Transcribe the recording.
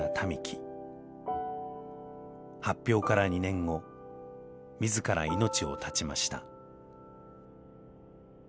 発表から２年後自ら命を絶ちました。